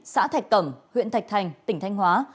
xã thạch cẩm huyện thạch thành tỉnh thanh hóa